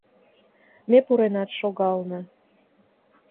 Ме пуренат шогална.